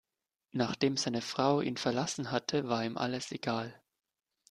Nachdem seine Frau ihn verlassen hatte, war ihm alles egal.